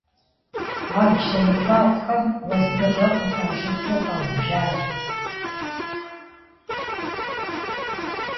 Абдж зэмыфэгъухэм уэздыгъэ къыхащӀыкӀыу къаублащ.